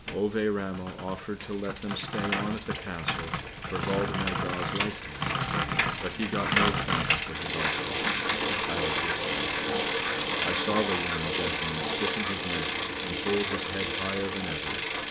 Ove Ramel offered to let them stay on at the Castle for Waldemar Daa's lifetime, but he got no thanks for his offer; I was listening. I saw the ruined gentleman stiffen his neck and hold his head higher than ever.